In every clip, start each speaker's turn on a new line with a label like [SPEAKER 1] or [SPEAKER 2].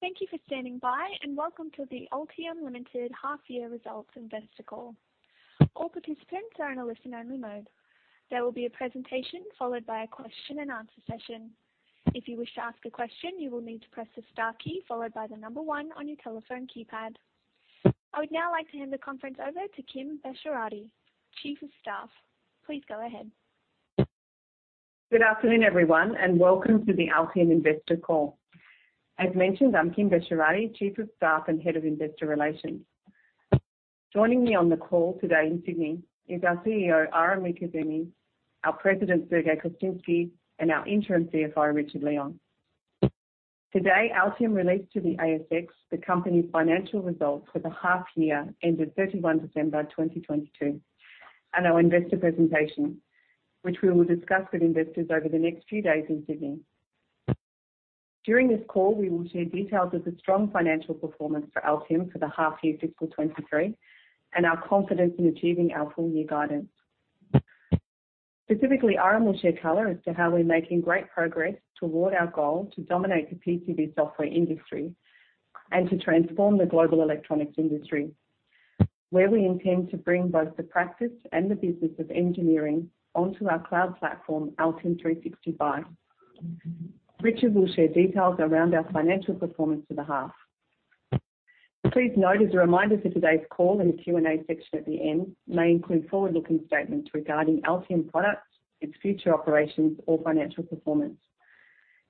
[SPEAKER 1] Thank you for standing by. Welcome to the Altium Limited half year results investor call. All participants are in a listen-only mode. There will be a presentation followed by a question-and-answer session. If you wish to ask a question, you will need to press the star key followed by one on your telephone keypad. I would now like to hand the conference over to Kim Besharati, Chief of Staff. Please go ahead.
[SPEAKER 2] Good afternoon, everyone. Welcome to the Altium investor call. As mentioned, I'm Kim Besharati, Chief of Staff and Head of Investor Relations. Joining me on the call today in Sydney is our CEO, Aram Mirkazemi, our President, Sergey Kostinsky, and our Interim CFO, Richard Leon. Today, Altium released to the ASX the company's financial results for the half year-ended December 31, 2022, and our investor presentation, which we will discuss with investors over the next few days in Sydney. During this call, we will share details of the strong financial performance for Altium for the half year FY 2023 and our confidence in achieving our full-year guidance. Specifically, Aram will share color as to how we're making great progress toward our goal to dominate the PCB software industry and to transform the global electronics industry, where we intend to bring both the practice and the business of engineering onto our cloud platform, Altium 365. Richard will share details around our financial performance for the half. Please note as a reminder that today's call and the Q&A section at the end may include forward-looking statements regarding Altium products, its future operations or financial performance.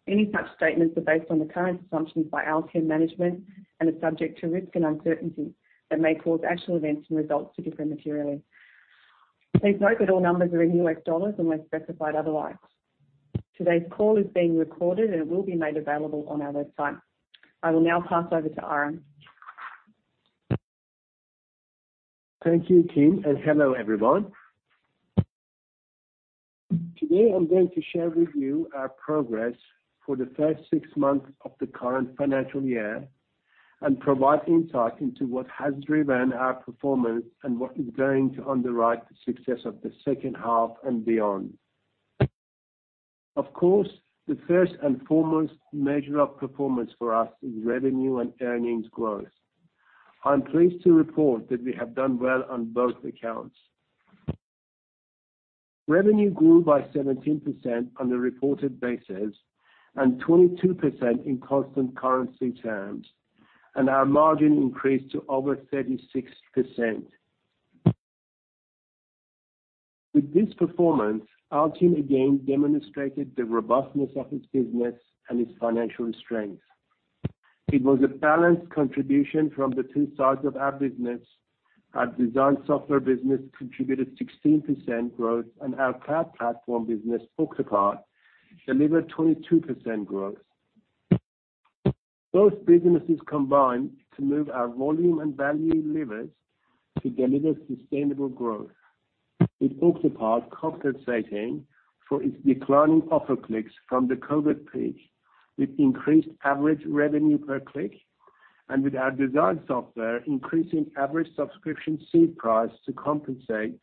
[SPEAKER 2] Any such statements are based on the current assumptions by Altium management and are subject to risks and uncertainties that may cause actual events and results to differ materially. Please note that all numbers are in US dollars unless specified otherwise. Today's call is being recorded and it will be made available on our website. I will now pass over to Aram.
[SPEAKER 3] Thank you, Kim. Hello, everyone. Today I'm going to share with you our progress for the first six months of the current financial year and provide insight into what has driven our performance and what is going to underwrite the success of the second half and beyond. Of course, the first and foremost measure of performance for us is revenue and earnings growth. I'm pleased to report that we have done well on both accounts. Revenue grew by 17% on a reported basis and 22% in constant currency terms, and our margin increased to over 36%. With this performance, Altium again demonstrated the robustness of its business and its financial strength. It was a balanced contribution from the two sides of our business. Our design software business contributed 16% growth and our cloud platform business, Octopart, delivered 22% growth. Those businesses combined to move our volume and value levers to deliver sustainable growth, with Octopart compensating for its declining offer clicks from the COVID peak with increased average revenue per click and with our design software increasing average subscription seat price to compensate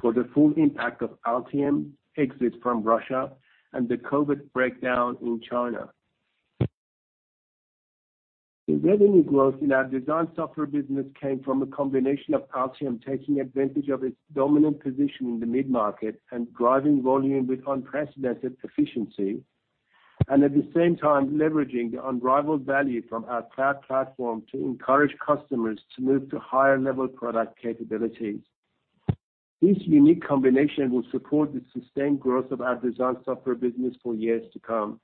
[SPEAKER 3] for the full impact of Altium exits from Russia and the COVID breakdown in China. The revenue growth in our design software business came from a combination of Altium taking advantage of its dominant position in the mid-market and driving volume with unprecedented efficiency and at the same time leveraging the unrivaled value from our cloud platform to encourage customers to move to higher level product capabilities. This unique combination will support the sustained growth of our design software business for years to come.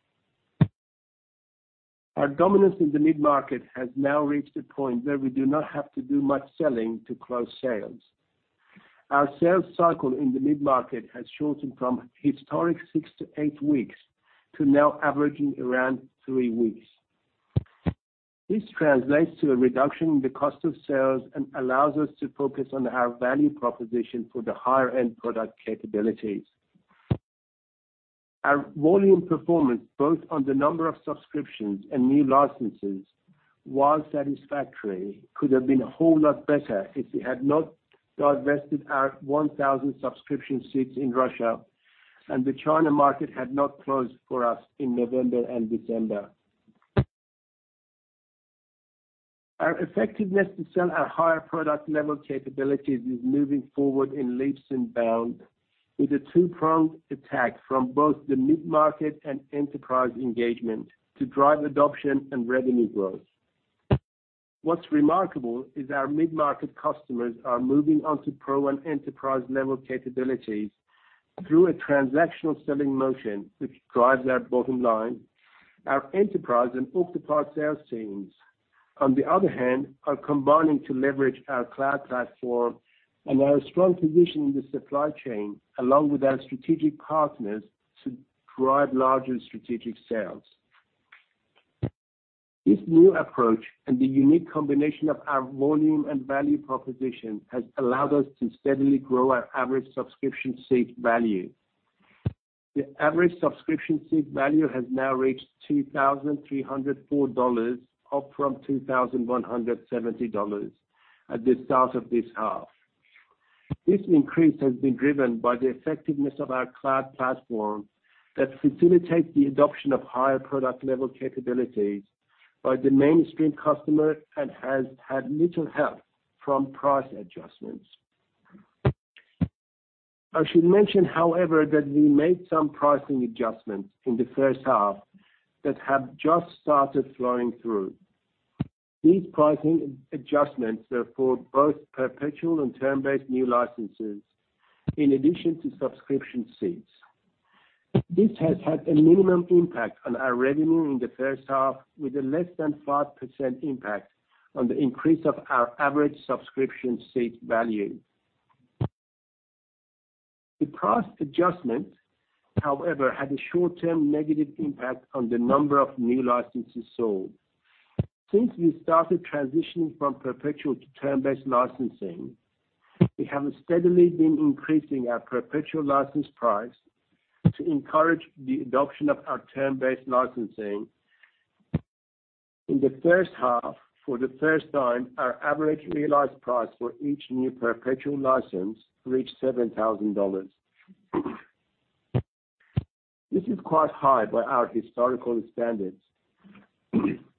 [SPEAKER 3] Our dominance in the mid-market has now reached a point where we do not have to do much selling to close sales. Our sales cycle in the mid-market has shortened from historic six to eight weeks to now averaging around three weeks. This translates to a reduction in the cost of sales and allows us to focus on our value proposition for the higher end product capabilities. Our volume performance, both on the number of subscriptions and new licenses, while satisfactory, could have been a whole lot better if we had not divested our 1,000 subscription seats in Russia and the China market had not closed for us in November and December. Our effectiveness to sell our higher product level capabilities is moving forward in leaps and bounds with a two-pronged attack from both the mid-market and Enterprise engagement to drive adoption and revenue growth. What's remarkable is our mid-market customers are moving on to Pro and Enterprise level capabilities through a transactional selling motion, which drives our bottom line. Our Enterprise and Octopart sales teams on the other hand, are combining to leverage our cloud platform and our strong position in the supply chain along with our strategic partners to drive larger strategic sales. This new approach and the unique combination of our volume and value proposition has allowed us to steadily grow our average subscription seat value. The average subscription seat value has now reached $2,304, up from $2,170 at the start of this half. This increase has been driven by the effectiveness of our cloud platform that facilitates the adoption of higher product level capabilities by the mainstream customer and has had little help from price adjustments. I should mention, however, that we made some pricing adjustments in the first half that have just started flowing through. These pricing adjustments are for both perpetual and term-based new licenses in addition to subscription seats. This has had a minimum impact on our revenue in the first half, with a less than 5% impact on the increase of our average subscription seat value. The price adjustment, however, had a short-term negative impact on the number of new licenses sold. Since we started transitioning from perpetual to term-based licensing, we have steadily been increasing our perpetual license price to encourage the adoption of our term-based licensing. In the first half for the first time, our average realized price for each new perpetual license reached $7,000. This is quite high by our historical standards.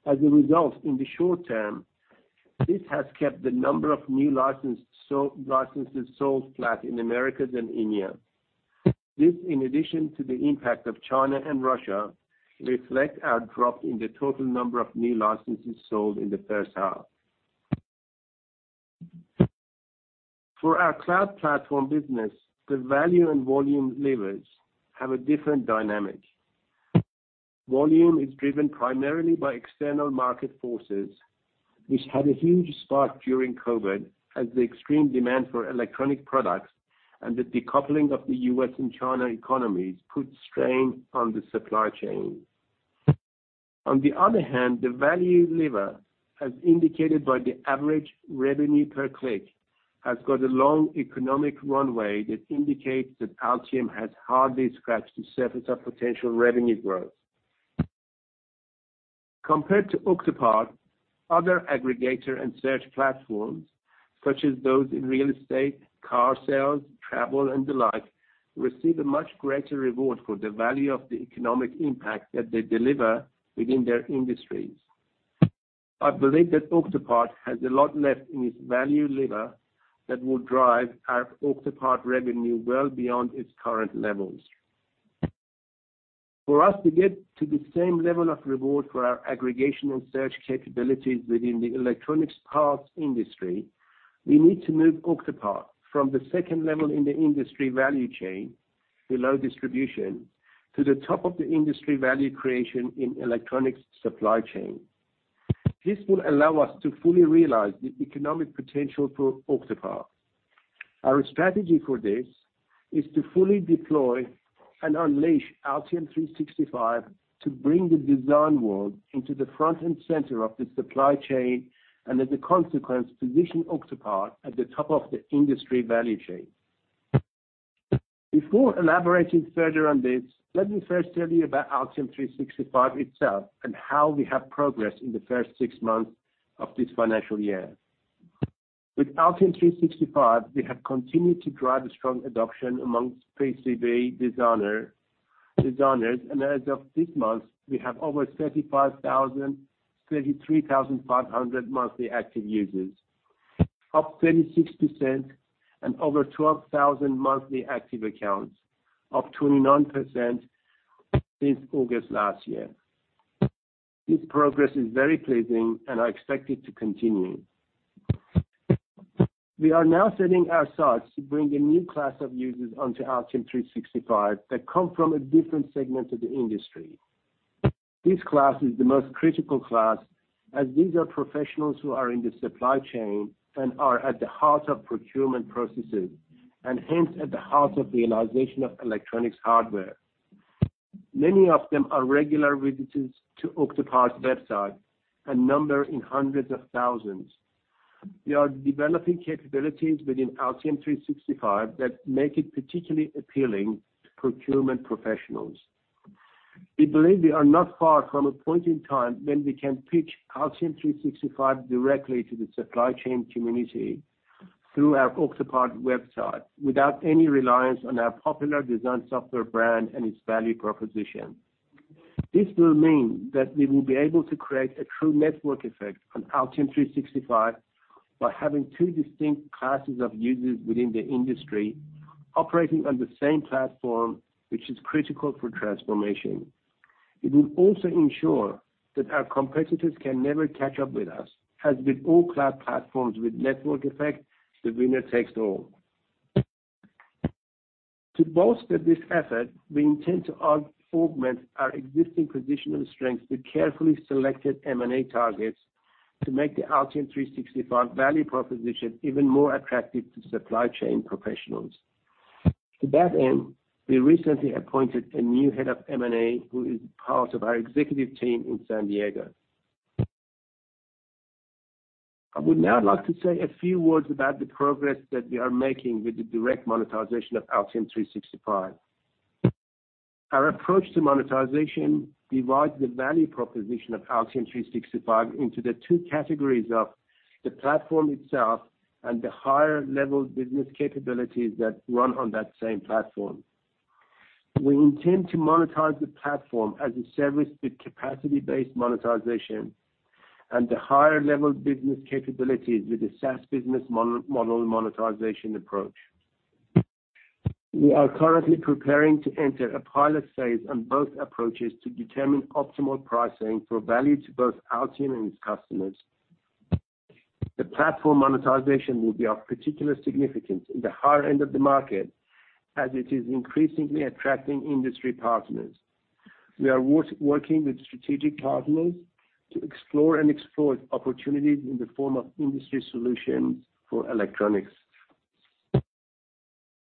[SPEAKER 3] As a result, in the short term, this has kept the number of new licenses sold flat in Americas and EMEA. This, in addition to the impact of China and Russia, reflect our drop in the total number of new licenses sold in the first half. For our cloud platform business, the value and volume levers have a different dynamic. Volume is driven primarily by external market forces, which had a huge spike during COVID as the extreme demand for electronic products and the decoupling of the US and China economies put strain on the supply chain. On the other hand, the value lever, as indicated by the average revenue per click, has got a long economic runway that indicates that Altium has hardly scratched the surface of potential revenue growth. Compared to Octopart, other aggregator and search platforms such as those in real estate, car sales, travel and the like, receive a much greater reward for the value of the economic impact that they deliver within their industries. I believe that Octopart has a lot left in its value lever that will drive our Octopart revenue well beyond its current levels. For us to get to the same level of reward for our aggregation and search capabilities within the electronics parts industry, we need to move Octopart from the second level in the industry value chain below distribution to the top of the industry value creation in electronics supply chain. This will allow us to fully realize the economic potential for Octopart. Our strategy for this is to fully deploy and unleash Altium 365 to bring the design world into the front and center of the supply chain, and as a consequence, position Octopart at the top of the industry value chain. Before elaborating further on this, let me first tell you about Altium 365 itself and how we have progressed in the first six months of this financial year. With Altium 365, we have continued to drive a strong adoption amongst PCB designers, and as of this month, we have over 33,500 monthly active users, up 36% and over 12,000 monthly active accounts, up 29% since August last year. This progress is very pleasing and I expect it to continue. We are now setting our sights to bring a new class of users onto Altium 365 that come from a different segment of the industry. This class is the most critical class, as these are professionals who are in the supply chain and are at the heart of procurement processes, and hence at the heart of the realization of electronics hardware. Many of them are regular visitors to Octopart's website and number in hundreds of thousands. We are developing capabilities within Altium 365 that make it particularly appealing to procurement professionals. We believe we are not far from a point in time when we can pitch Altium 365 directly to the supply chain community through our Octopart website without any reliance on our popular design software brand and its value proposition. This will mean that we will be able to create a true network effect on Altium 365 by having two distinct classes of users within the industry operating on the same platform, which is critical for transformation. It will also ensure that our competitors can never catch up with us. As with all cloud platforms with network effect, the winner takes all. To bolster this effort, we intend to augment our existing positional strengths with carefully selected M&A targets to make the Altium 365 value proposition even more attractive to supply chain professionals. To that end, we recently appointed a new head of M&A who is part of our executive team in San Diego. I would now like to say a few words about the progress that we are making with the direct monetization of Altium 365. Our approach to monetization divides the value proposition of Altium 365 into the two categories of the platform itself and the higher-level business capabilities that run on that same platform. We intend to monetize the platform as a service with capacity-based monetization and the higher-level business capabilities with the SaaS business model monetization approach. We are currently preparing to enter a pilot phase on both approaches to determine optimal pricing for value to both Altium and its customers. The platform monetization will be of particular significance in the higher end of the market as it is increasingly attracting industry partners. We are working with strategic partners to explore and exploit opportunities in the form of industry solutions for electronics.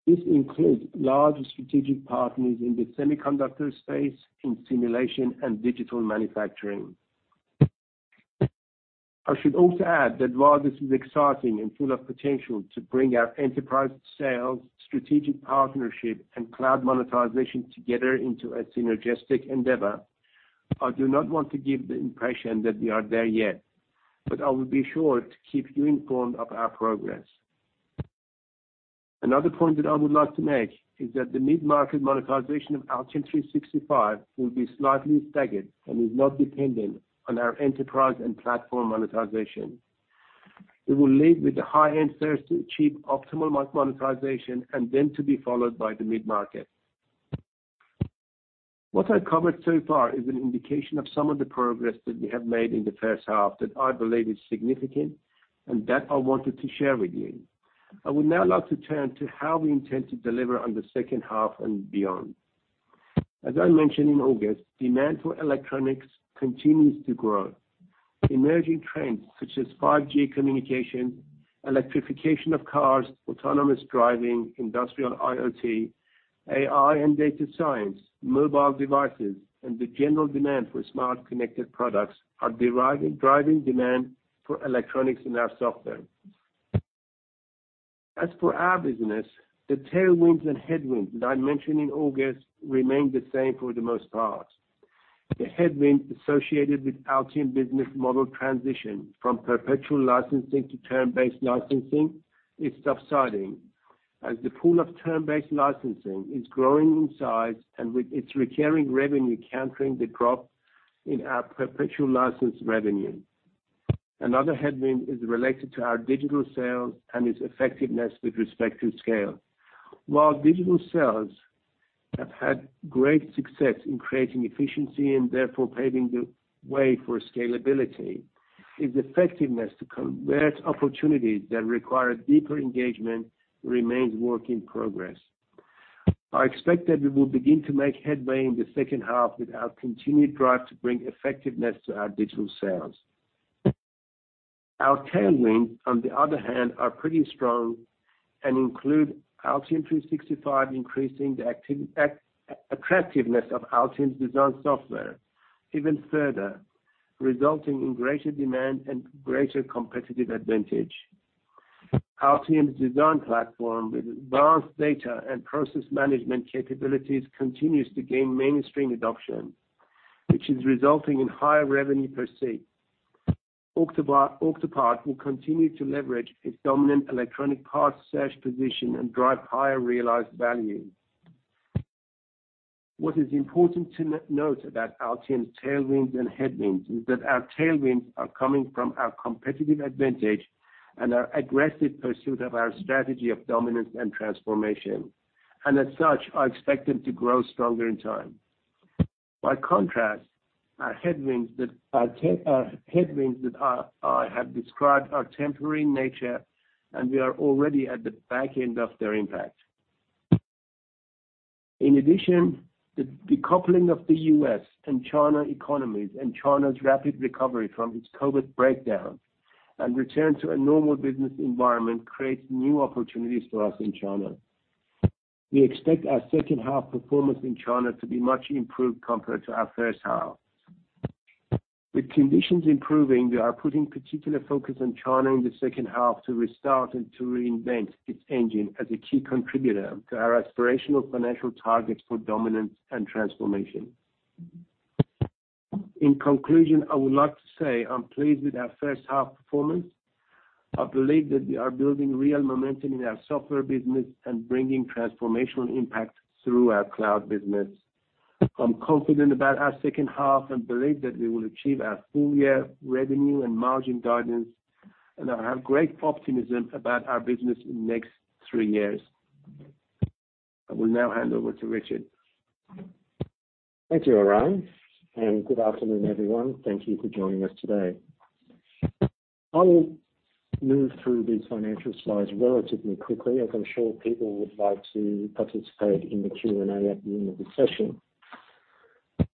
[SPEAKER 3] This includes large strategic partners in the semiconductor space, in simulation, and digital manufacturing. I should also add that while this is exciting and full of potential to bring our enterprise sales, strategic partnership, and cloud monetization together into a synergistic endeavor, I do not want to give the impression that we are there yet, but I will be sure to keep you informed of our progress. Another point that I would like to make is that the mid-market monetization of Altium 365 will be slightly staggered and is not dependent on our enterprise and platform monetization. It will lead with the high-end first to achieve optimal monetization and then to be followed by the mid-market. What I covered so far is an indication of some of the progress that we have made in the first half that I believe is significant and that I wanted to share with you. I would now like to turn to how we intend to deliver on the second half and beyond. As I mentioned in August, demand for electronics continues to grow. Emerging trends such as 5G communication, electrification of cars, autonomous driving, industrial IoT, AI and data science, mobile devices, and the general demand for smart connected products are driving demand for electronics and our software. As for our business, the tailwinds and headwinds that I mentioned in August remain the same for the most part. The headwind associated with Altium business model transition from perpetual licensing to term-based licensing is subsiding as the pool of term-based licensing is growing in size and with its recurring revenue countering the drop in our perpetual license revenue. Another headwind is related to our digital sales and its effectiveness with respect to scale. While digital sales have had great success in creating efficiency and therefore paving the way for scalability, its effectiveness to convert opportunities that require deeper engagement remains work in progress. I expect that we will begin to make headway in the second half with our continued drive to bring effectiveness to our digital sales. Our tailwinds, on the other hand, are pretty strong and include Altium 365 increasing the attractiveness of Altium's design software even further, resulting in greater demand and greater competitive advantage. Altium's design platform with advanced data and process management capabilities continues to gain mainstream adoption, which is resulting in higher revenue per seat. Octopart will continue to leverage its dominant electronic parts search position and drive higher realized value. What is important to note about Altium's tailwinds and headwinds is that our tailwinds are coming from our competitive advantage and our aggressive pursuit of our strategy of dominance and transformation, and as such, are expected to grow stronger in time. By contrast, our headwinds that I have described are temporary in nature, and we are already at the back end of their impact. In addition, the decoupling of the US and China economies and China's rapid recovery from its COVID breakdown and return to a normal business environment creates new opportunities for us in China. We expect our second half performance in China to be much improved compared to our first half. With conditions improving, we are putting particular focus on China in the second half to restart and to reinvent its engine as a key contributor to our aspirational financial targets for dominance and transformation. In conclusion, I would like to say I'm pleased with our first half performance. I believe that we are building real momentum in our software business and bringing transformational impact through our cloud business. I'm confident about our second half and believe that we will achieve our full-year revenue and margin guidance, and I have great optimism about our business in the next three years. I will now hand over to Richard.
[SPEAKER 4] Thank you, Aram, and good afternoon, everyone. Thank you for joining us today. I will move through these financial slides relatively quickly, as I'm sure people would like to participate in the Q&A at the end of the session.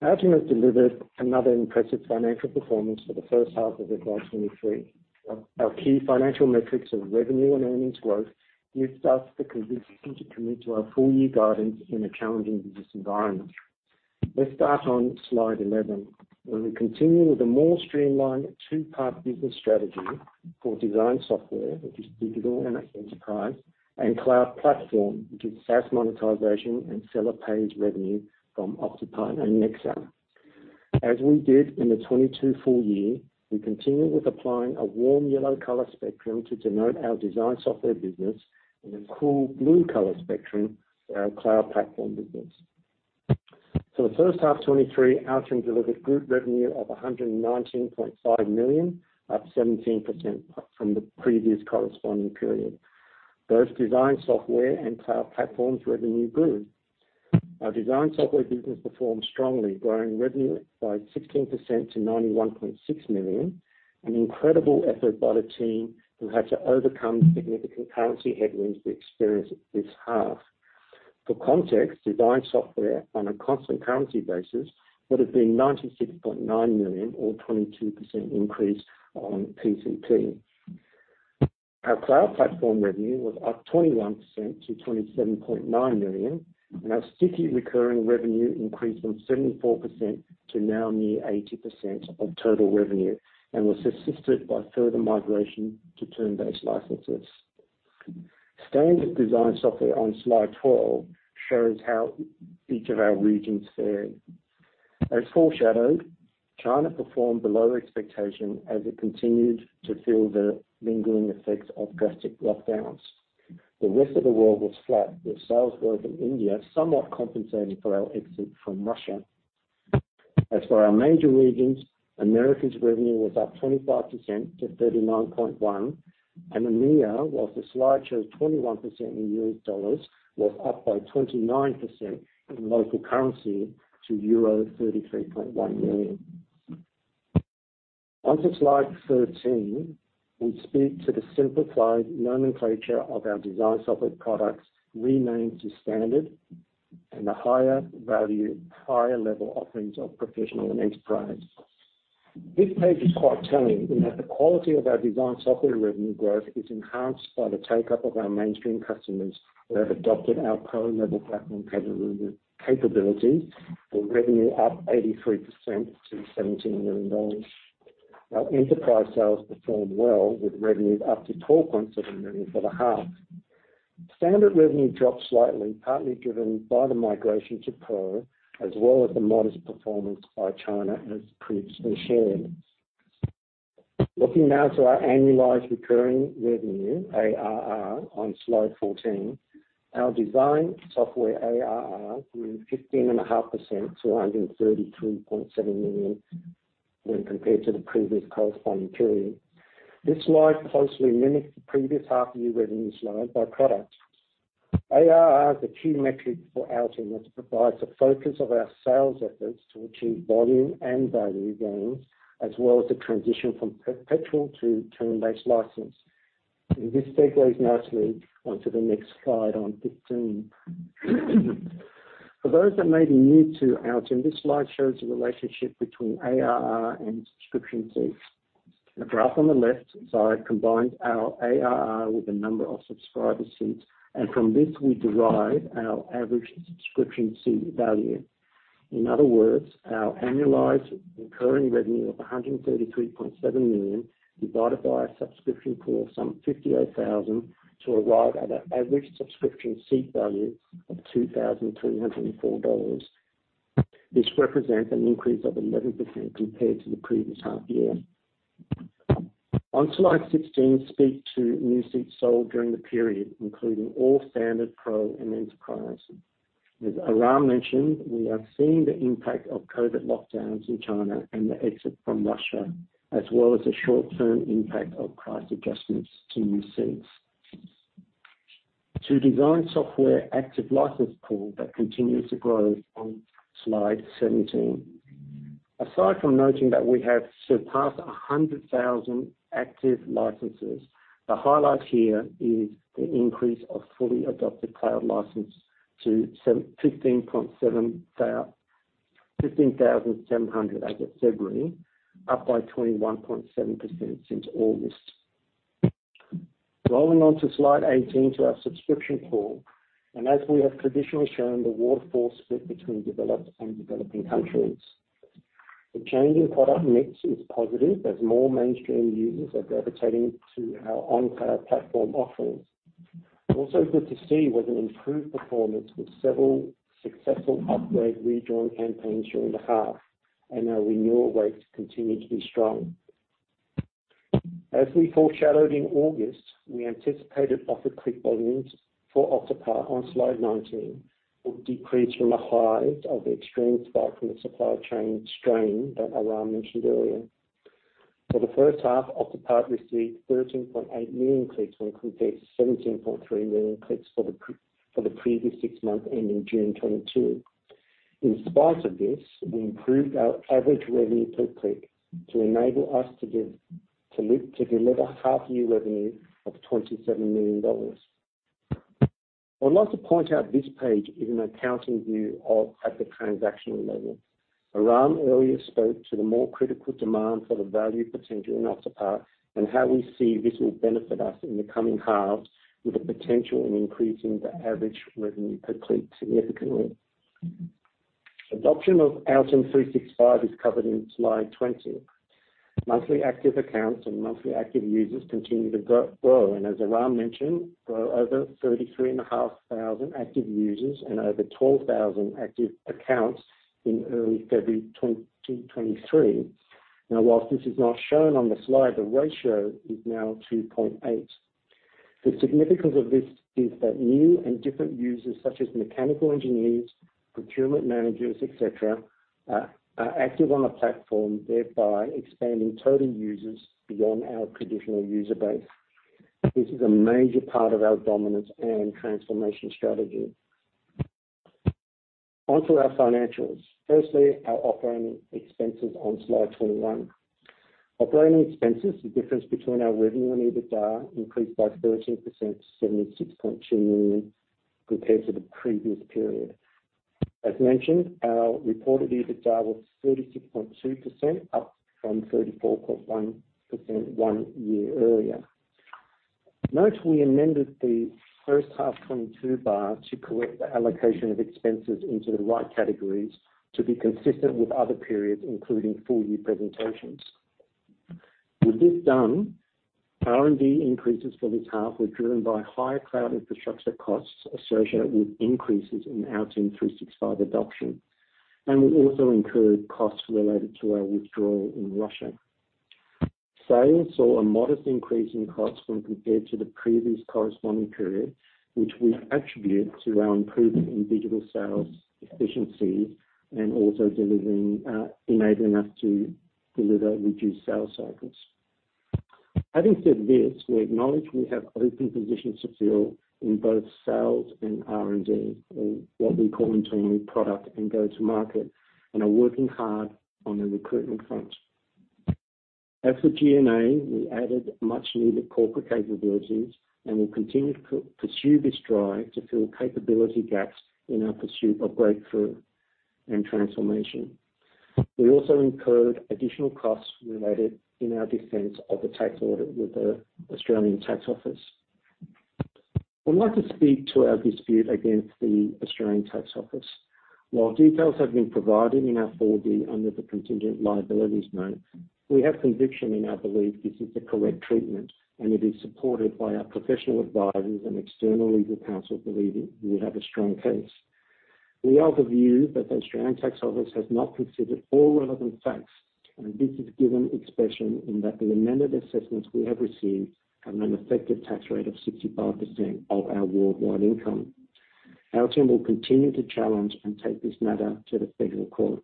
[SPEAKER 4] Altium has delivered another impressive financial performance for the first half of 2023. Our key financial metrics of revenue and earnings growth gives us the conviction to commit to our full-year guidance in a challenging business environment. Let's start on slide 11, where we continue with a more streamlined two part business strategy for design software, which is digital and Enterprise, and cloud platform, which is SaaS monetization and seller pays revenue from Octopart and Nexar. As we did in the 2022 full-year, we continue with applying a warm yellow color spectrum to denote our design software business and a cool blue color spectrum for our cloud platform business. For the first half FY 2023, Altium delivered group revenue of $119.5 million, up 17% from the previous corresponding period. Both design software and cloud platforms revenue grew. Our design software business performed strongly, growing revenue by 16% to $91.6 million, an incredible effort by the team who had to overcome significant currency headwinds we experienced this half. For context, design software on a constant currency basis would have been $96.9 million or 22% increase on pcp. Our cloud platform revenue was up 21% to $27.9 million, and our sticky recurring revenue increased from 74% to now near 80% of total revenue and was assisted by further migration to term-based licenses. Standard design software on slide 12 shows how each of our regions fared. As foreshadowed, China performed below expectation as it continued to feel the lingering effects of drastic lockdowns. The rest of the world was flat, with sales growth in India somewhat compensating for our exit from Russia. As for our major regions, Americas revenue was up 25% to $39.1, and EMEA, whilst the slide shows 21% in US dollars, was up by 29% in local currency to euro 33.1 million. On to slide 13, we speak to the simplified nomenclature of our design software products renamed to Standard and the higher value, higher level offerings of Professional and Enterprise. This page is quite telling in that the quality of our design software revenue growth is enhanced by the take-up of our mainstream customers who have adopted our pro-level platform capabilities, with revenue up 83% to $17 million. Our Enterprise sales performed well, with revenues up to $12.7 million for the half. Standard revenue dropped slightly, partly driven by the migration to Pro as well as the modest performance by China as previously shared. Looking now to our annualized recurring revenue, ARR, on slide 14. Our design software ARR grew 15.5% to $133.7 million when compared to the previous corresponding period. This slide closely mimics the previous half year revenue slide by product. ARR is a key metric for Altium that provides the focus of our sales efforts to achieve volume and value gains, as well as the transition from perpetual to term-based license. This segues nicely onto the next slide on 15. For those that may be new to Altium, this slide shows the relationship between ARR and subscription seats. The graph on the left side combines our ARR with the number of subscriber seats, from this we derive our average subscription seat value. In other words, our annualized recurring revenue of $133.7 million divided by our subscription pool of some 58,000 to arrive at an average subscription seat value of $2,304. This represents an increase of 11% compared to the previous half year. On slide 16 speak to new seats sold during the period, including all Standard, Pro and Enterprise. As Aram mentioned, we are seeing the impact of COVID lockdowns in China and the exit from Russia, as well as the short-term impact of price adjustments to new seats. To design software active license pool that continues to grow on slide 17. Aside from noting that we have surpassed 100,000 active licenses, the highlight here is the increase of fully adopted cloud license to 15,700 as of February, up by 21.7% since August. Rolling on to slide 18 to our subscription pool, and as we have traditionally shown, the waterfall split between developed and developing countries. The change in product mix is positive as more mainstream users are gravitating to our on-cloud platform offerings. Also good to see was an improved performance with several successful upgrade rejoin campaigns during the half, and our renewal rates continue to be strong. As we foreshadowed in August, we anticipated offer click volumes for Octopart on slide 19 would decrease from the highs of the extreme spike from the supply chain strain that Aram mentioned earlier. For the first half, Octopart received 13.8 million clicks when compared to 17.3 million clicks for the previous six months ending June 2022. In spite of this, we improved our average revenue per click to enable us to deliver half year revenue of $27 million. I'd like to point out this page is an accounting view of at the transactional level. Aram earlier spoke to the more critical demand for the value potential in Octopart and how we see this will benefit us in the coming halves with the potential in increasing the average revenue per click significantly. Adoption of Altium 365 is covered in slide 20. Monthly active accounts and monthly active users continue to grow. As Aram mentioned, grow over 33,500 active users and over 12,000 active accounts in early February 2023. Whilst this is not shown on the slide, the ratio is now 2.8. The significance of this is that new and different users, such as mechanical engineers, procurement managers, et cetera, are active on the platform, thereby expanding total users beyond our traditional user base. This is a major part of our dominance and transformation strategy. Onto our financials. Our operating expenses on slide 21. Operating expenses, the difference between our revenue and EBITDA increased by 13% to $76.2 million compared to the previous period. As mentioned, our reported EBITDA was 36.2%, up from 34.1% one year earlier. Note, we amended the first half 2022 bar to correct the allocation of expenses into the right categories to be consistent with other periods, including full-year presentations. With this done, R&D increases for this half were driven by higher cloud infrastructure costs associated with increases in Altium 365 adoption. We also incurred costs related to our withdrawal in Russia. Sales saw a modest increase in costs when compared to the previous corresponding period, which we attribute to our improvement in digital sales efficiency and also delivering, enabling us to deliver reduced sales cycles. Having said this, we acknowledge we have open positions to fill in both sales and R&D, or what we call internally product and go to market, and are working hard on the recruitment front. As for G&A, we added much needed corporate capabilities and will continue to pursue this drive to fill capability gaps in our pursuit of breakthrough and transformation. We also incurred additional costs related in our defense of the tax audit with the Australian Taxation Office. I'd like to speak to our dispute against the Australian Taxation Office. While details have been provided in our 4D under the contingent liabilities note, we have conviction in our belief this is the correct treatment, and it is supported by our professional advisors and external legal counsel believing we have a strong case. We are of the view that the Australian Taxation Office has not considered all relevant facts, and this is given expression in that the amended assessments we have received have an effective tax rate of 65% of our worldwide income. Altium will continue to challenge and take this matter to the Federal Court.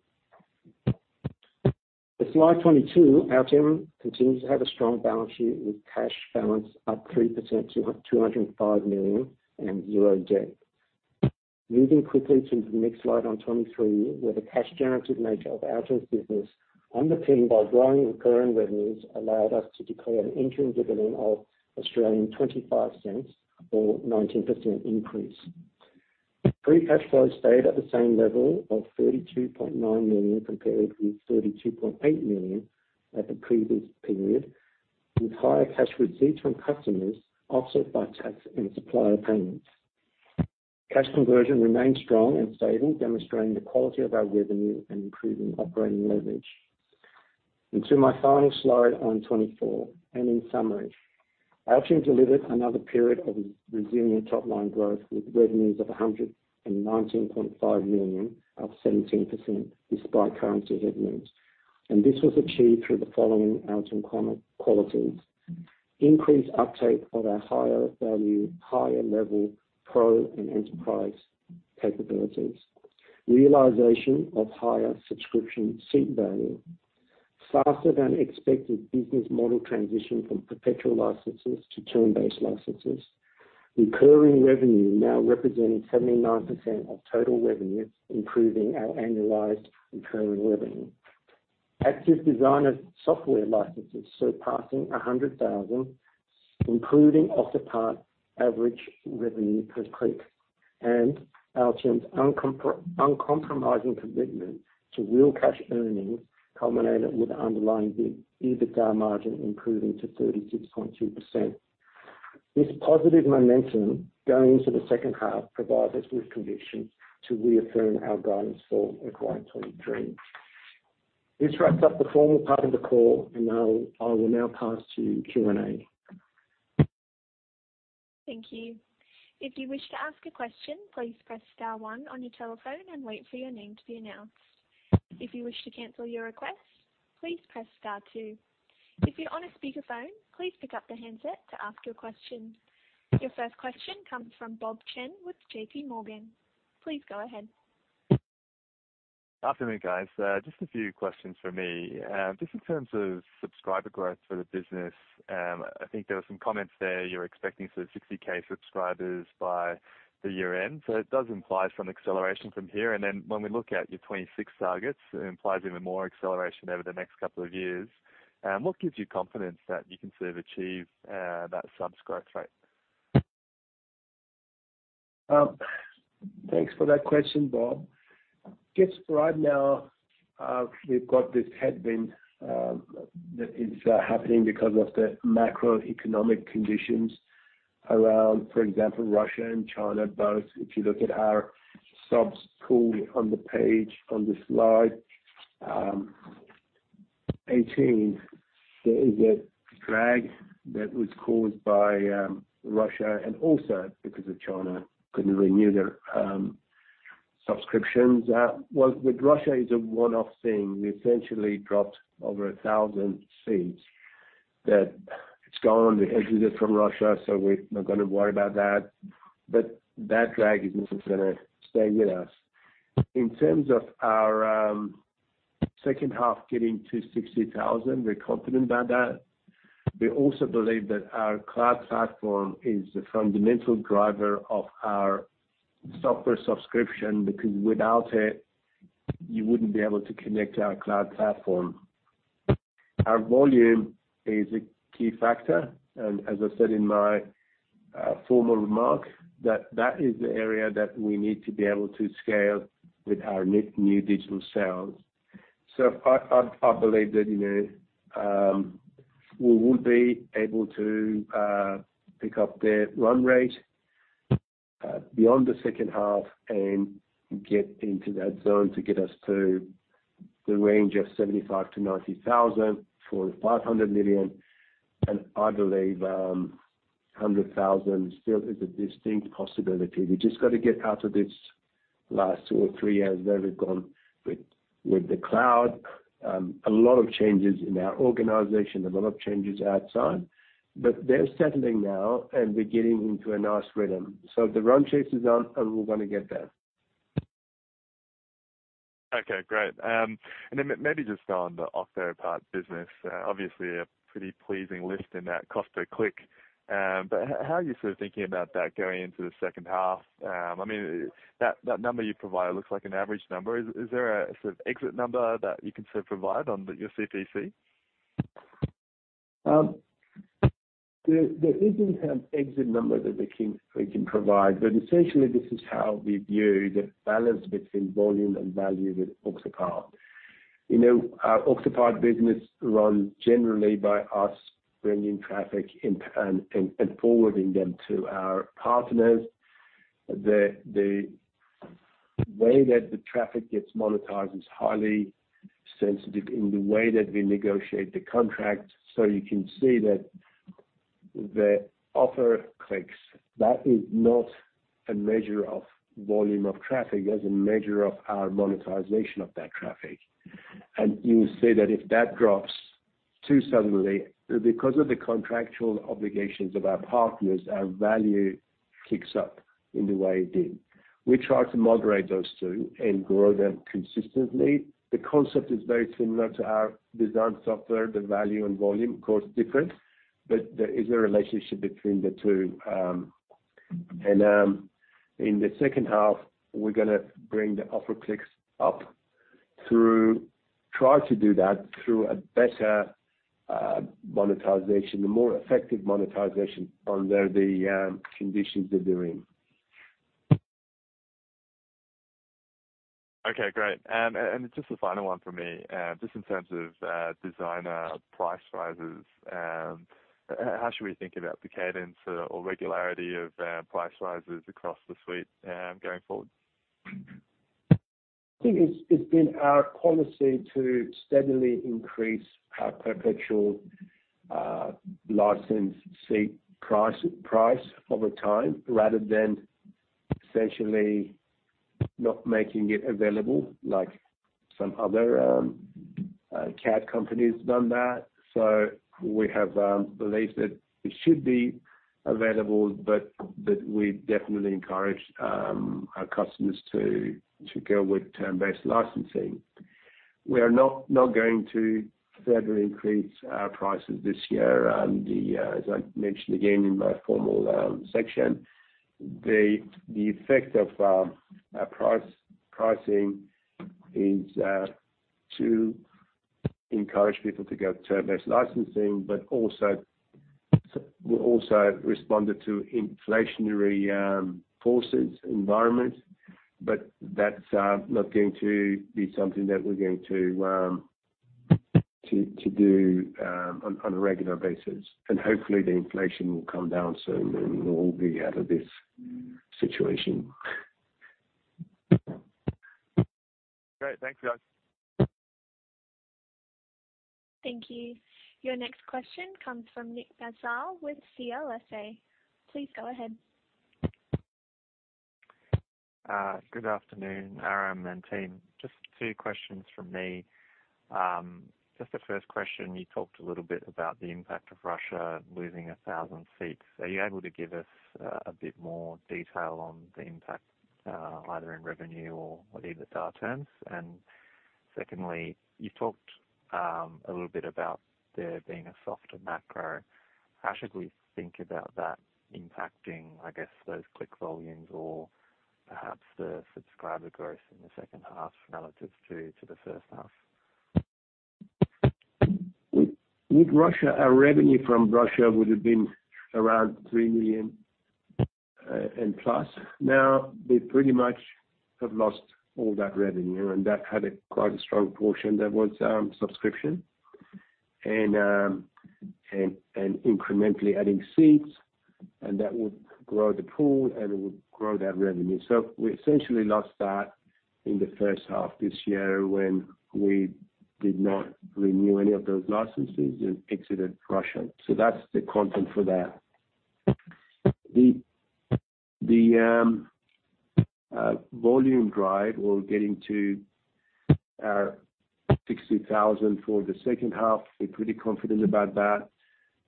[SPEAKER 4] To slide 22, Altium continues to have a strong balance sheet with cash balance up 3% to $205 million and zero debt. Moving quickly to the next slide on 23, where the cash generative nature of Altium's business, underpinned by growing recurring revenues, allowed us to declare an interim dividend of 0.25 or 19% increase. Free cash flow stayed at the same level of $32.9 million, compared with $32.8 million at the previous period, with higher cash receipts from customers offset by tax and supplier payments. Cash conversion remained strong and stable, demonstrating the quality of our revenue and improving operating leverage. Onto my final slide on 24, and in summary. Altium delivered another period of resilient top-line growth with revenues of $119.5 million, up 17% despite currency headwinds. This was achieved through the following Altium qualities. Increased uptake of our higher value, higher level Pro and Enterprise capabilities. Realization of higher subscription seat value. Faster than expected business model transition from perpetual licenses to term-based licenses. Recurring revenue now representing 79% of total revenue, improving our annualized recurring revenue. Active designer software licenses surpassing 100,000, improving Octopart average revenue per click. Altium's uncompromising commitment to real cash earnings culminated with underlying the EBITDA margin improving to 36.2%. This positive momentum going into the second half provides us with conviction to reaffirm our guidance for FY 2023. This wraps up the formal part of the call, now I will pass to Q&A.
[SPEAKER 1] Thank you. If you wish to ask a question, please press star one on your telephone and wait for your name to be announced. If you wish to cancel your request, please press star two. If you're on a speakerphone, please pick up the handset to ask your question. Your first question comes from Bob Chen with JPMorgan. Please go ahead.
[SPEAKER 5] Afternoon, guys. Just a few questions from me. Just in terms of subscriber growth for the business, I think there were some comments there. You're expecting sort of 60K subscribers by the year-end, so it does imply some acceleration from here. When we look at your 2026 targets, it implies even more acceleration over the next couple of years. What gives you confidence that you can sort of achieve that sub growth rate?
[SPEAKER 3] Thanks for that question, Bob. Guess right now, we've got this headwind that is happening because of the macroeconomic conditions around, for example, Russia and China both. If you look at our subs pool on the page on the slide, 18, there is a drag that was caused by Russia and also because of China couldn't renew their subscriptions. Well, with Russia is a one-off thing. We essentially dropped over 1,000 seats that it's gone. We exited from Russia, so we're not gonna worry about that. That drag isn't gonna stay with us. In terms of our second half getting to 60,000, we're confident about that. We also believe that our cloud platform is the fundamental driver of our software subscription, because without it, you wouldn't be able to connect to our cloud platform. Our volume is a key factor. As I said in my formal remark, that is the area that we need to be able to scale with our new digital sales. I believe that, you know, we will be able to pick up the run rate beyond the second half and get into that zone to get us to the range of 75,000-90,000 for $500 million. I believe 100,000 still is a distinct possibility. We just got to get out of this last two or three years where we've gone with the cloud. A lot of changes in our organization, a lot of changes outside. They're settling now, and we're getting into a nice rhythm. The run chase is on, and we're gonna get there.
[SPEAKER 5] Okay, great. Maybe just on the Octopart business, obviously a pretty pleasing lift in that cost per click. How are you sort of thinking about that going into the second half? I mean, that number you provide looks like an average number. Is there a sort of exit number that you can sort of provide on your CPC?
[SPEAKER 3] There isn't an exit number that we can provide, but essentially this is how we view the balance between volume and value with Octopart. You know, our Octopart business run generally by us bringing traffic and forwarding them to our partners. The way that the traffic gets monetized is highly sensitive in the way that we negotiate the contract. You can see that the offer clicks. That is not a measure of volume of traffic. That's a measure of our monetization of that traffic. You will see that if that drops too suddenly, because of the contractual obligations of our partners, our value kicks up in the way it did. We try to moderate those two and grow them consistently. The concept is very similar to our design software, the value and volume, of course different, but there is a relationship between the two. In the second half, we're gonna bring the offer clicks up through try to do that through a better monetization, a more effective monetization under the conditions that they're in.
[SPEAKER 5] Okay, great. Just a final one for me, just in terms of designer price rises, how should we think about the cadence or regularity of price rises across the suite going forward?
[SPEAKER 3] I think it's been our policy to steadily increase our perpetual license seat price over time, rather than essentially not making it available like some other CAD companies done that. We have believed that it should be available, but that we definitely encourage our customers to go with term-based licensing. We are not going to further increase our prices this year. The as I mentioned again in my formal section, the effect of pricing is to encourage people to go term-based licensing, but we also responded to inflationary forces environment. That's not going to be something that we're going to do on a regular basis. Hopefully the inflation will come down soon, and we'll all be out of this situation.
[SPEAKER 5] Great. Thanks, guys.
[SPEAKER 1] Thank you. Your next question comes from Nicholas Basile with CLSA. Please go ahead.
[SPEAKER 6] Good afternoon, Aram and team. Just two questions from me. Just the first question, you talked a little bit about the impact of Russia losing 1,000 seats. Are you able to give us a bit more detail on the impact either in revenue or EBITDA terms? Secondly, you talked a little bit about there being a softer macro. How should we think about that impacting, I guess, those click volumes or perhaps the subscriber growth in the second half relative to the first half?
[SPEAKER 3] With Russia, our revenue from Russia would have been around $3 million and plus. We pretty much have lost all that revenue and that had a quite a strong portion that was subscription and incrementally adding seats, and that would grow the pool and it would grow that revenue. We essentially lost that in the first half this year when we did not renew any of those licenses and exited Russia. That's the content for that. The volume drive, we're getting to our 60,000 for the second half. We're pretty confident about that.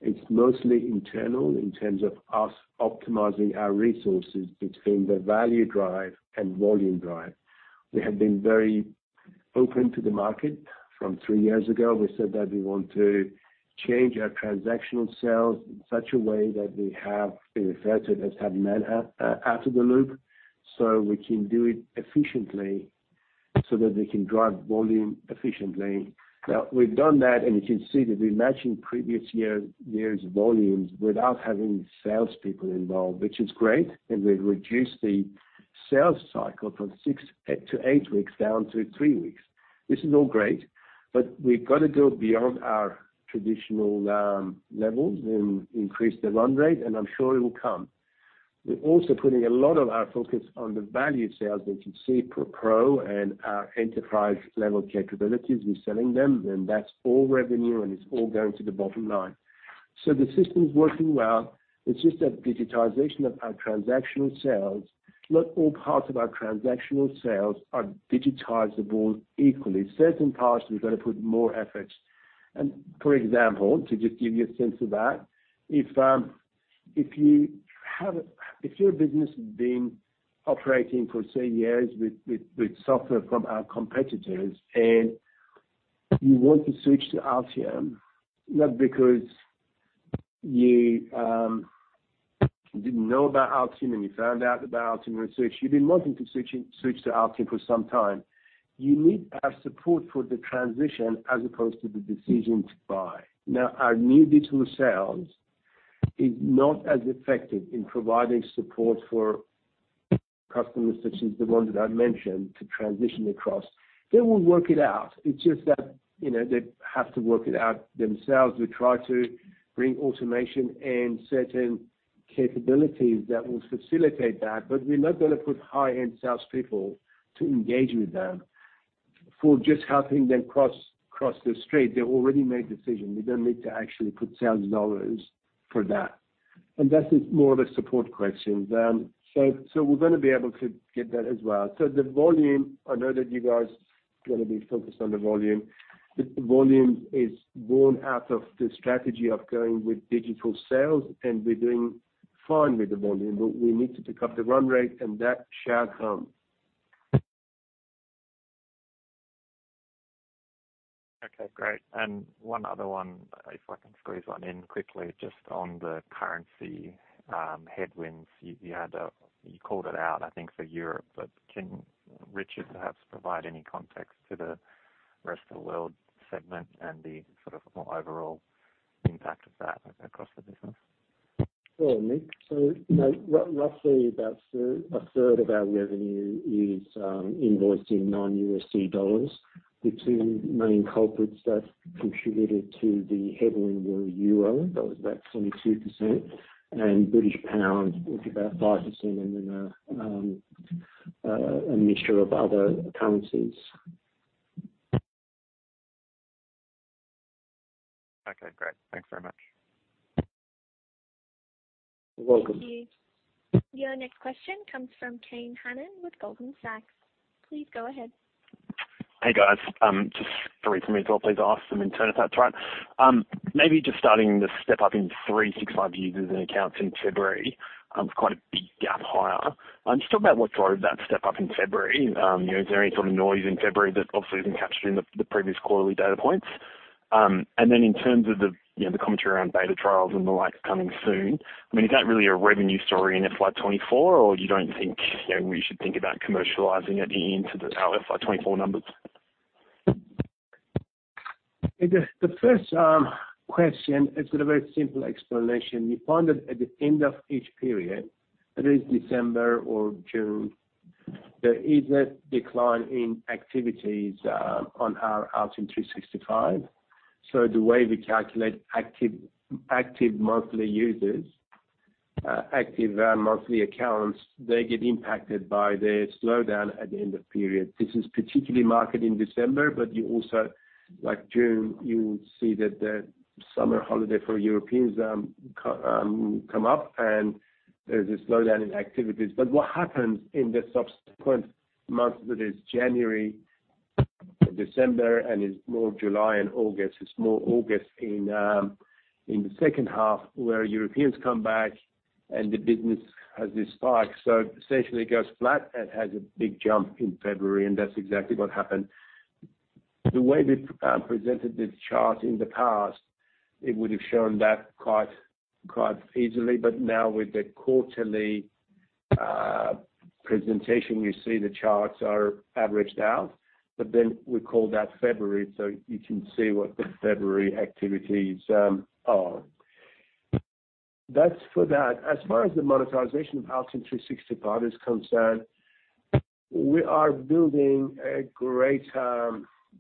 [SPEAKER 3] It's mostly internal in terms of us optimizing our resources between the value drive and volume drive. We have been very open to the market from three years ago. We said that we want to change our transactional sales in such a way that we have referred to it as having that out of the loop, so we can do it efficiently so that we can drive volume efficiently. Now, we've done that, and you can see that we're matching previous years' volumes without having salespeople involved, which is great. We've reduced the sales cycle from six to eight weeks, down to three weeks. This is all great, but we've got to go beyond our traditional levels and increase the run rate, and I'm sure it will come. We're also putting a lot of our focus on the value sales that you see for Pro and our Enterprise-level capabilities. We're selling them and that's all revenue, and it's all going to the bottom line. The system's working well. It's just that digitization of our transactional sales, not all parts of our transactional sales are digitizable equally. Certain parts, we've got to put more efforts. For example, to just give you a sense of that, if your business has been operating for 10 years with software from our competitors and you want to switch to Altium, not because you didn't know about Altium, and you found out about Altium and switched. You've been wanting to switch to Altium for some time. You need our support for the transition as opposed to the decision to buy. Our new digital sales is not as effective in providing support for customers such as the ones that I mentioned to transition across. They will work it out. It's just that, you know, they have to work it out themselves. We try to bring automation and certain capabilities that will facilitate that. We're not gonna put high-end salespeople to engage with them for just helping them cross the street. They already made decision. We don't need to actually put sales dollars for that. That is more of a support question. We're gonna be able to get that as well. The volume, I know that you guys wanna be focused on the volume. The volume is born out of the strategy of going with digital sales, and we're doing fine with the volume, but we need to pick up the run rate and that shall come.
[SPEAKER 6] Okay, great. One other one, if I can squeeze one in quickly, just on the currency headwinds. You called it out, I think, for Europe, can Richard perhaps provide any context to the rest of the world segment and the sort of more overall impact of that across the business?
[SPEAKER 4] Sure, Nick. You know, roughly about a third of our revenue is invoiced in non-USD dollars. The two main culprits that contributed to the headwind were EUR, that was about 22%, and GBP, which is about 5%, and then a mixture of other currencies.
[SPEAKER 6] Okay, great. Thanks very much.
[SPEAKER 4] You're welcome.
[SPEAKER 1] Thank you. Your next question comes from Kane Hannan with Goldman Sachs. Please go ahead.
[SPEAKER 7] Hey, guys. Just three from me as well, please. Ask them in turn if that's all right. Maybe just starting the step up in Altium 365 users and accounts in February, it's quite a big gap higher. Just talk about what drove that step up in February. You know, is there any sort of noise in February that obviously isn't captured in the previous quarterly data points? And then in terms of the, you know, the commentary around beta trials and the like coming soon, I mean, is that really a revenue story in FY 2024, or you don't think, you know, we should think about commercializing it into the FY 2024 numbers?
[SPEAKER 3] The first question, it's got a very simple explanation. We found that at the end of each period, that is December or June, there is a decline in activities on our Altium 365. The way we calculate active monthly users, active monthly accounts, they get impacted by the slowdown at the end of period. This is particularly marked in December, you also, like June, you see that the summer holiday for Europeans come up and there's a slowdown in activities. What happens in the subsequent months, that is January to December and it's more July and August. It's more August in the second half where Europeans come back and the business has this spike. Essentially it goes flat and has a big jump in February, and that's exactly what happened. The way we presented this chart in the past, it would have shown that quite easily. Now with the quarterly presentation, you see the charts are averaged out, but then we call that February, so you can see what the February activities are. That's for that. As far as the monetization of Altium 365 is concerned, we are building a great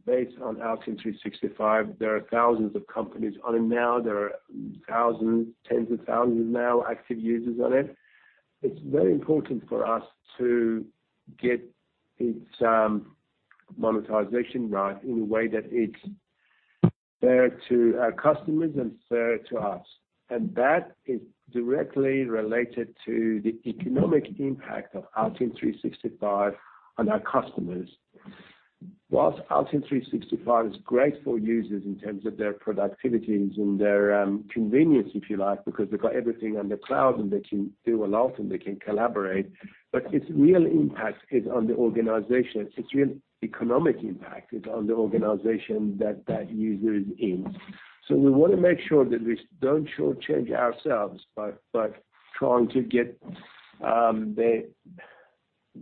[SPEAKER 3] base on Altium 365. There are thousands of companies on it now. There are thousands, tens of thousands now, active users on it. It's very important for us to get its monetization right in a way that it's fair to our customers and fair to us. That is directly related to the economic impact of Altium 365 on our customers. Whilst Altium 365 is great for users in terms of their productivities and their convenience, if you like, because they've got everything on the cloud, and they can do a lot, and they can collaborate. Its real impact is on the organization. It's real economic impact is on the organization that that user is in. We wanna make sure that we don't shortchange ourselves by trying to get the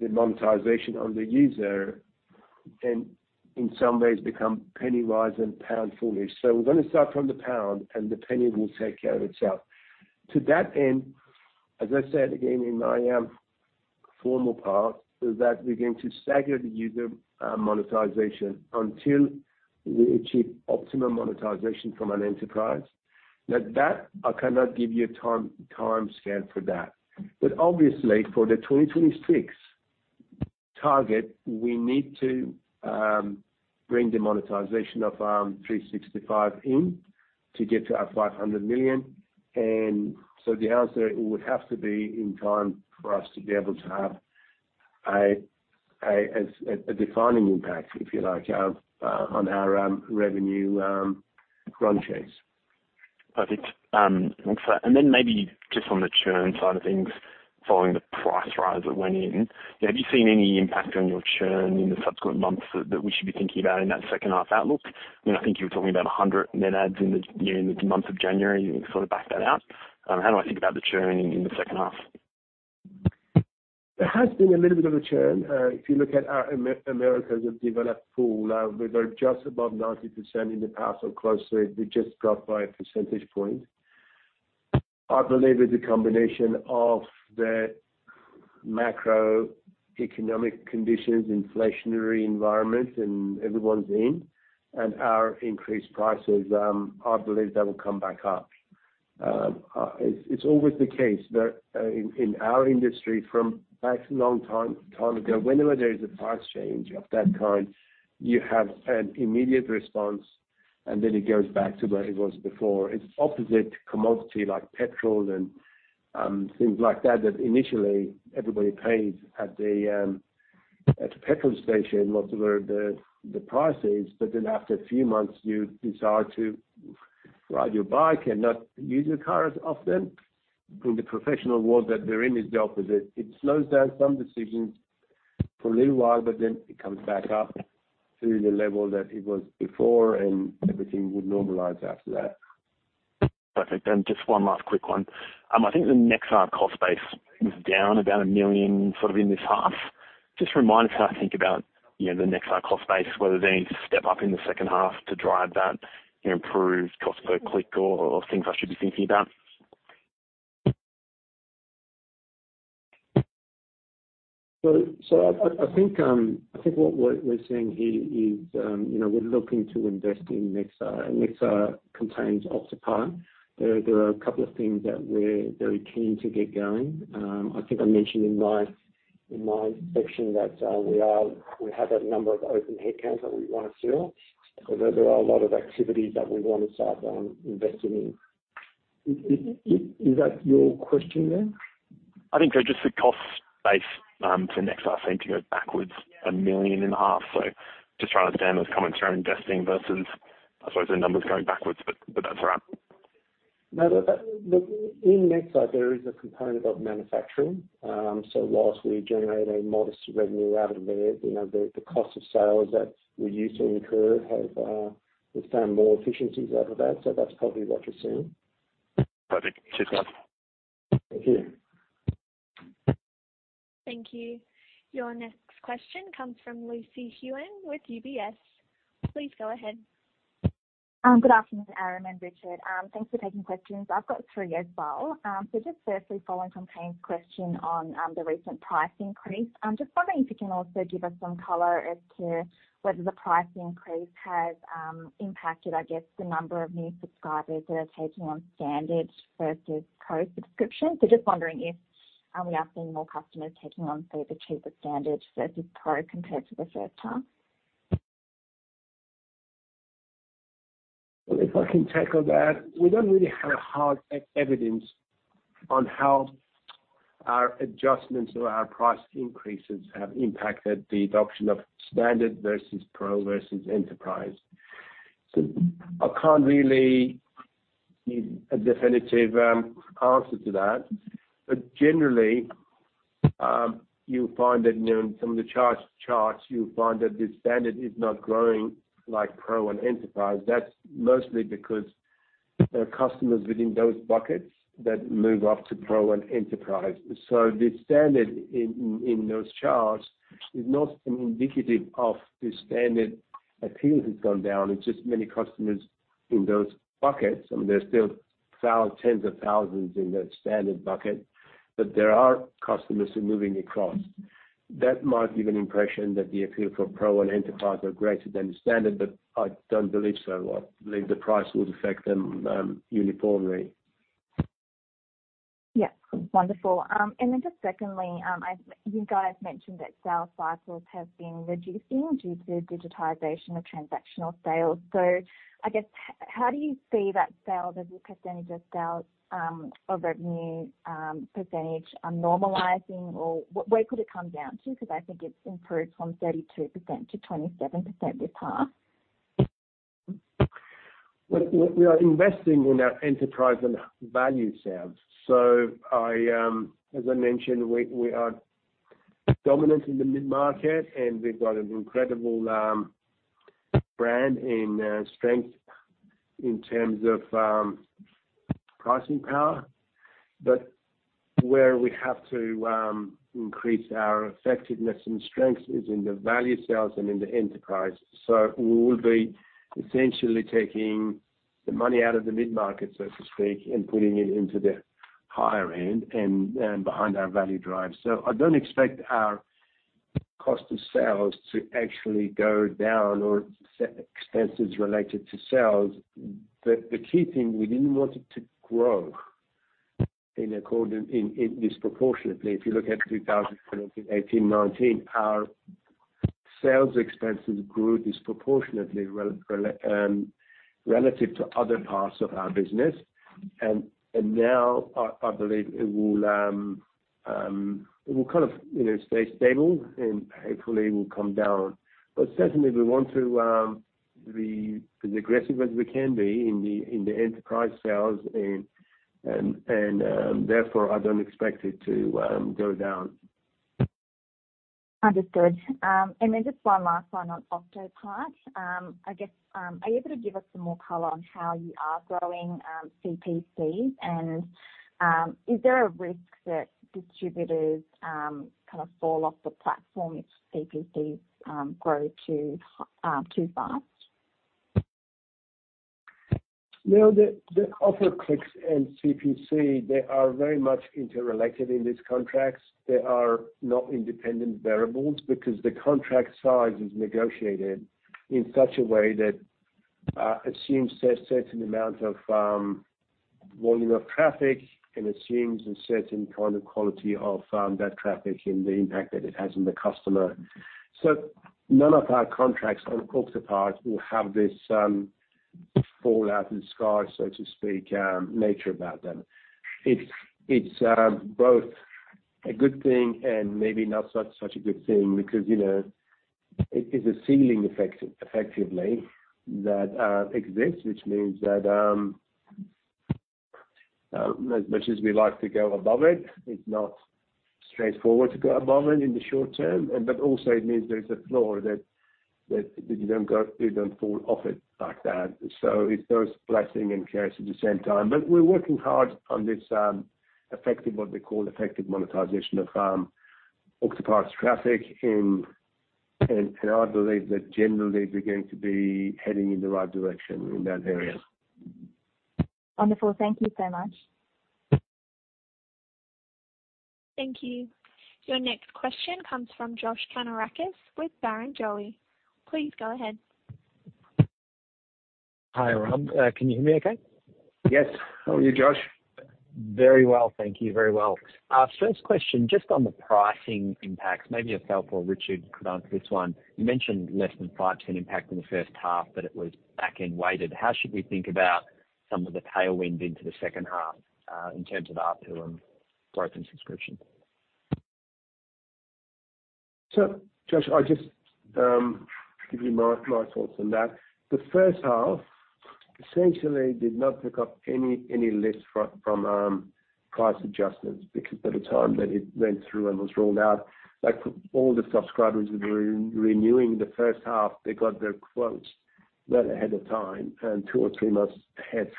[SPEAKER 3] monetization on the user and in some ways become penny-wise and pound-foolish. We're gonna start from the pound, and the penny will take care of itself. To that end, as I said again in my formal part, is that we're going to stagger the user monetization until we achieve optimum monetization from an Enterprise. Now that I cannot give you a time scan for that. Obviously, for the 2026 target, we need to bring the monetization of 365 in to get to our $500 million. The answer would have to be in time for us to be able to have a defining impact, if you like, on our revenue runways.
[SPEAKER 7] Perfect. Then maybe just on the churn side of things, following the price rise that went in. Have you seen any impact on your churn in the subsequent months that we should be thinking about in that second half outlook? You know, I think you were talking about 100 net adds in the, you know, in the month of January, and you can sort of back that out. How do I think about the churn in the second half?
[SPEAKER 3] There has been a little bit of a churn. If you look at our Americas, we've developed pool. We were just above 90% in the past or close to it. We just dropped by 1 percentage point. I believe it's a combination of the macroeconomic conditions, inflationary environment, and everyone's in, and our increased prices. I believe that will come back up. It's always the case that, in our industry from back a long time ago, whenever there is a price change of that kind, you have an immediate response, and then it goes back to where it was before. It's opposite to commodity like petrol and things like that initially everybody pays at the at the petrol station, whatever the price is, but then after a few months, you desire to ride your bike and not use your car as often. In the professional world that they're in, is the opposite. It slows down some decisions for a little while, but then it comes back up to the level that it was before, and everything would normalize after that.
[SPEAKER 7] Perfect. Just one last quick one. I think the Nexar cost base was down about $1 million, sort of in this half. Just remind us how to think about, you know, the Nexar cost base, whether they need to step up in the second half to drive that, you know, improved cost per click or things I should be thinking about?
[SPEAKER 3] I think what we're seeing here is, you know, we're looking to invest in Nexar. Nexar contains Octopart. There are a couple of things that we're very keen to get going. I think I mentioned in my section that we have a number of open headcounts that we wanna fill. There are a lot of activities that we wanna start investing in. Is that your question there?
[SPEAKER 7] I think so just the cost base, for Nexar seem to go backwards a million in half. Just trying to understand those comments around investing versus, I suppose, the numbers going backwards, but that's all right.
[SPEAKER 3] In Nexar there is a component of manufacturing. Whilst we generate a modest revenue out of there, you know, the cost of sales that we used to incur have, we've found more efficiencies out of that, so that's probably what you're seeing.
[SPEAKER 7] Perfect. Cheers.
[SPEAKER 3] Thank you.
[SPEAKER 1] Thank you. Your next question comes from Lucy Huang with UBS. Please go ahead.
[SPEAKER 8] Good afternoon, Aram and Richard. Thanks for taking questions. I've got three as well. Just firstly, following from Kane's question on the recent price increase, just wondering if you can also give us some color as to whether the price increase has impacted, I guess, the number of new subscribers that are taking on Standard versus Pro subscription. Just wondering if we are seeing more customers taking on say the cheaper Standard versus Pro compared to the first half.
[SPEAKER 3] Well, if I can tackle that. We don't really have hard evidence on how our adjustments or our price increases have impacted the adoption of Standard versus Pro versus Enterprise. I can't really give a definitive answer to that. Generally, you find that, you know, in some of the charts you find that the Standard is not growing like Pro and Enterprise. That's mostly because there are customers within those buckets that move up to Pro and Enterprise. The Standard in those charts is not indicative of the Standard appeal has gone down. It's just many customers in those buckets. I mean, there's still tens of thousands in the Standard bucket, there are customers who are moving across. That might give an impression that the appeal for Pro and Enterprise are greater than the Standard, I don't believe so. I believe the price will affect them, uniformly.
[SPEAKER 8] Yes, wonderful. Just secondly, you guys mentioned that sales cycles have been reducing due to digitization of transactional sales. I guess, how do you see that sales as a percentage of sales, of revenue, percentage, normalizing? Where could it come down to? I think it's improved from 32% to 27% this half.
[SPEAKER 3] We are investing in our Enterprise and Value sales. As I mentioned, we are dominant in the mid-market, and we've got an incredible brand and strength in terms of pricing power. Where we have to increase our effectiveness and strength is in the Value sales and in the Enterprise. We will be essentially taking the money out of the mid-market, so to speak, and putting it into the higher end and behind our value drive. I don't expect our cost of sales to actually go down or expenses related to sales. The key thing, we didn't want it to grow in disproportionately. If you look at 2018, 2019, our sales expenses grew disproportionately relative to other parts of our business. Now I believe it will kind of, you know, stay stable, and hopefully will come down. Certainly we want to be as aggressive as we can be in the Enterprise sales and therefore, I don't expect it to go down.
[SPEAKER 8] Understood. Just one last one on Octopart. Are you able to give us some more color on how you are growing, CPC? Is there a risk that distributors, kind of fall off the platform if CPC, grow too fast?
[SPEAKER 3] No. The octoclicks and CPC, they are very much interrelated in these contracts. They are not independent variables because the contract size is negotiated in such a way that assumes a certain amount of volume of traffic and assumes a certain kind of quality of that traffic and the impact that it has on the customer. None of our contracts on Octopart will have this fall out and scar, so to speak, nature about them. It's both a good thing and maybe not such a good thing because, you know, it is a ceiling effectively that exists, which means that as much as we like to go above it's not straightforward to go above it in the short term. But also it means there's a floor that you don't fall off it like that. It's both blessing and curse at the same time. We're working hard on this, effective, what we call effective monetization of Octopart's traffic. I believe that generally we're going to be heading in the right direction in that area.
[SPEAKER 8] Wonderful. Thank you so much.
[SPEAKER 1] Thank you. Your next question comes from Josh Kannourakis with Barrenjoey. Please go ahead.
[SPEAKER 9] Hi, Rob. Can you hear me okay?
[SPEAKER 3] Yes. How are you, Josh?
[SPEAKER 9] Very well, thank you. Very well. First question, just on the pricing impacts, maybe if Alf or Richard could answer this one. You mentioned less than 5%, 10% impact in the first half, but it was back-end weighted. How should we think about some of the tailwind into the second half, in terms of ARPU and broken subscription?
[SPEAKER 3] Josh, I'll just give you my thoughts on that. The first half essentially did not pick up any lift from price adjustments because by the time that it went through and was rolled out, like all the subscribers that were re-renewing the first half, they got their quotes well ahead of time and two or three months ahead.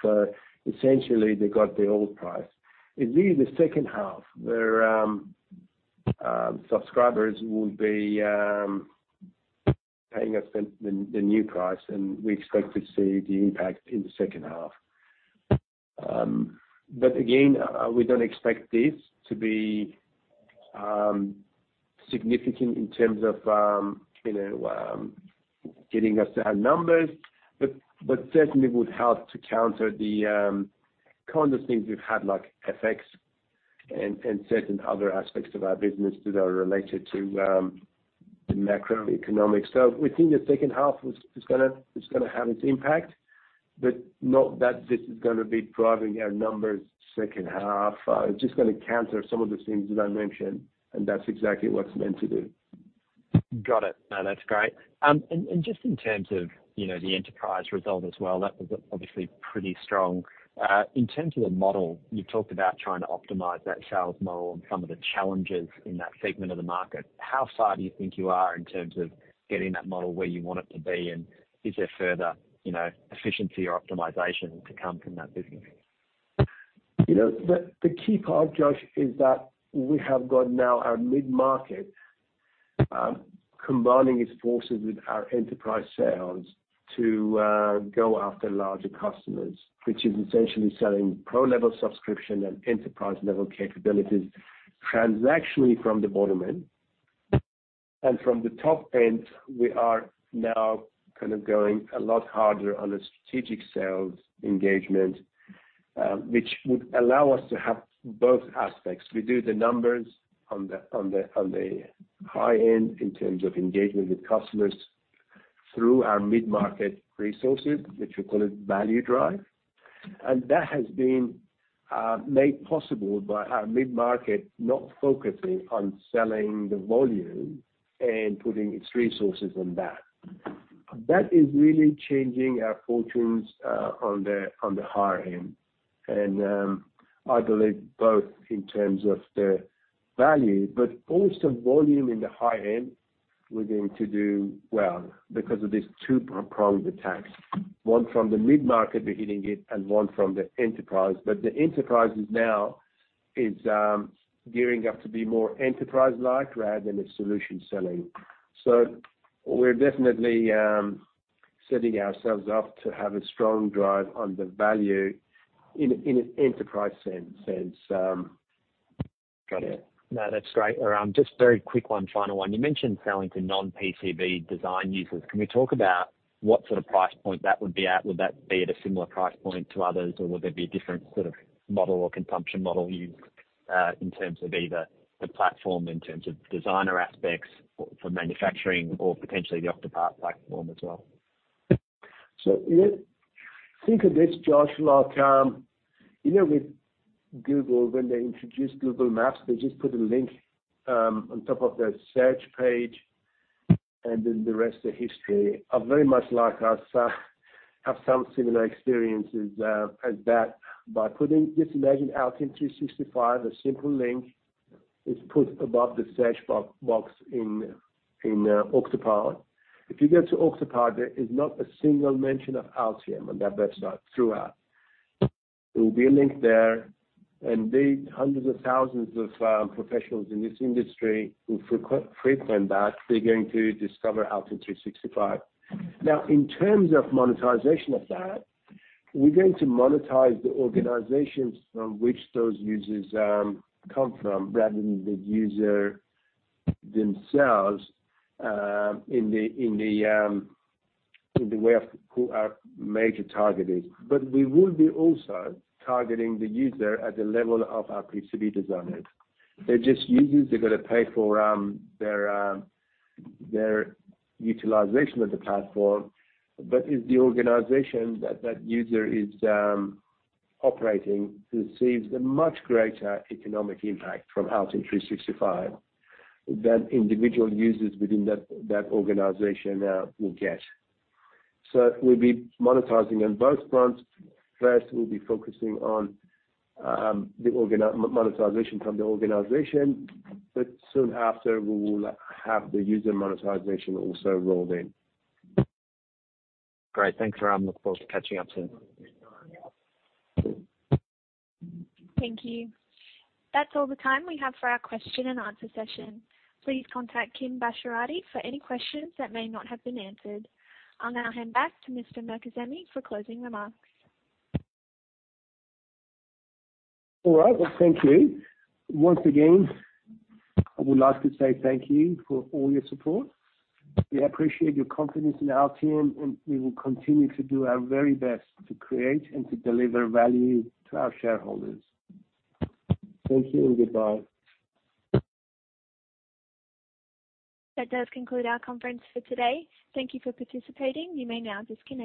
[SPEAKER 3] Essentially they got the old price. It's really the second half where subscribers will be paying us the new price, and we expect to see the impact in the second half. Again, we don't expect this to be significant in terms of, you know, getting us to our numbers. Certainly would help to counter the kind of things we've had like FX and certain other aspects of our business that are related to macroeconomic stuff. We think the second half is gonna, it's gonna have its impact, but not that this is gonna be driving our numbers second half. It's just gonna counter some of the things that I mentioned, and that's exactly what it's meant to do.
[SPEAKER 9] Got it. No, that's great. Just in terms of, you know, the Enterprise result as well, that was obviously pretty strong. In terms of the model, you've talked about trying to optimize that sales model and some of the challenges in that segment of the market. How far do you think you are in terms of getting that model where you want it to be? Is there further, you know, efficiency or optimization to come from that business?
[SPEAKER 3] You know, the key part, Josh, is that we have got now our mid-market combining its forces with our enterprise sales to go after larger customers, which is essentially selling Pro-level subscription and Enterprise-level capabilities transactionally from the bottom end. From the top end, we are now kind of going a lot harder on the strategic sales engagement, which would allow us to have both aspects. We do the numbers on the high end in terms of engagement with customers through our mid-market resources, which we call it value drive. That has been made possible by our mid-market not focusing on selling the volume and putting its resources on that. That is really changing our fortunes on the higher end. I believe both in terms of the value, but also volume in the high end, we're going to do well because of these two pronged attacks. One from the mid-market beginning it and one from the enterprise. The enterprise is now, it's gearing up to be more enterprise-like rather than a solution selling. We're definitely setting ourselves up to have a strong drive on the value in an enterprise sense, since.
[SPEAKER 9] Got it. No, that's great. Just very quick one, final one. You mentioned selling to non-PCB design users. Can we talk about what sort of price point that would be at? Would that be at a similar price point to others, or would there be a different sort of model or consumption model used in terms of either the platform, in terms of designer aspects for manufacturing or potentially the Octopart platform as well?
[SPEAKER 3] You know, think of this, Josh, like, you know, with Google, when they introduced Google Maps, they just put a link on top of their search page, and then the rest is history. Very much like us, have some similar experiences as that by putting, Just imagine Altium 365, a simple link is put above the search box in Octopart. If you go to Octopart, there is not a single mention of Altium on that website throughout. There will be a link there, and the hundreds of thousands of professionals in this industry who frequent that, they're going to discover Altium 365. In terms of monetization of that, we're going to monetize the organizations from which those users come from rather than the user themselves in the way of who our major target is. We will be also targeting the user at the level of our PCB designers. They're just users. They've got to pay for their utilization of the platform. It's the organization that that user is operating receives the much greater economic impact from Altium 365 than individual users within that organization will get. We'll be monetizing on both fronts. First, we'll be focusing on monetization from the organization, but soon after, we will have the user monetization also rolled in.
[SPEAKER 9] Great. Thanks, Aram. Look forward to catching up soon.
[SPEAKER 1] Thank you. That's all the time we have for our question and answer session. Please contact Kim Besharati for any questions that may not have been answered. I'll now hand back to Mr. Mirkazemi for closing remarks.
[SPEAKER 3] All right. Well, thank you. Once again, I would like to say thank you for all your support. We appreciate your confidence in our team. We will continue to do our very best to create and to deliver value to our shareholders. Thank you and goodbye.
[SPEAKER 1] That does conclude our conference for today. Thank you for participating. You may now disconnect.